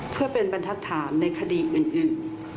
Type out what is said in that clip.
เพื่อเป็นบรรทัศนในคดีอื่น